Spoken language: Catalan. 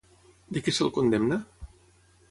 De què se'l condemna?